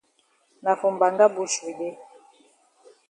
Na for mbanga bush we dey.